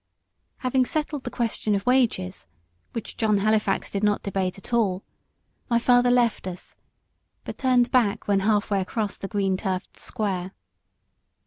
Having settled the question of wages, which John Halifax did not debate at all, my father left us, but turned back when half way across the green turfed square.